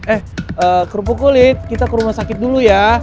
eh kerupuk kulit kita ke rumah sakit dulu ya